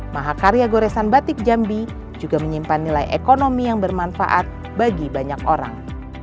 mahakarya goresan batik jambi juga menyimpan nilai ekonomi yang bermanfaat bagi banyak orang